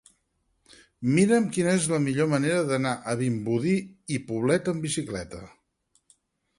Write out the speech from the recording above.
Mira'm quina és la millor manera d'anar a Vimbodí i Poblet amb bicicleta.